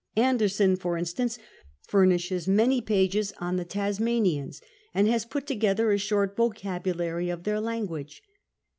Anderson, for instance, funiishes many pages on the Tasmanians and has put together a short vocabulary of their language.